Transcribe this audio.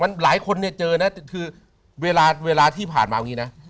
มันหลายคนเนี่ยเจอนะคือเวลาเวลาที่ผ่านมาอย่างนี้นะ